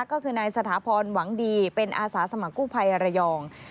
ก็คือนายสถาพรหวังดีเป็นอาสาสมัครกู้ภัยระยอง